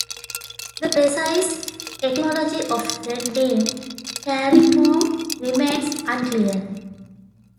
The precise etymology of the name "Kalimpong" remains unclear.